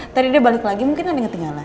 tadi dia balik lagi mungkin ada ketinggalan